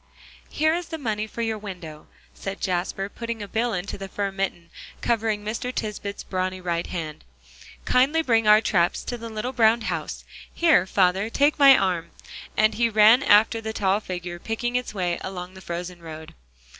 "Here is the money for your window," said Jasper, putting a bill into the fur mitten, covering Mr. Tisbett's brawny right hand. "Kindly bring our traps to the little brown house; here, father, take my arm," and he ran after the tall figure, picking its way along the frozen road.